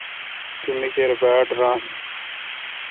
تو می کیر باڑ ران۔